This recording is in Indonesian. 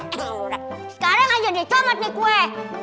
sekarang aja dicomat nih gue